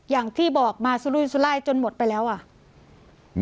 อย่างที่บอกมาซุลุยรสร้ายจนหมดไปแล้วบ้าง